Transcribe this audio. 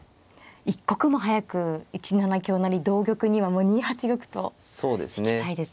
一刻も早く１七香成同玉にはもう２八玉と引きたいですね。